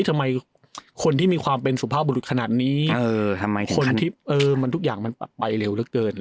ทำไมคนที่มีความเป็นสุภาพบุรุษขนาดนี้คนที่ทุกอย่างมันไปเร็วเหลือเกิน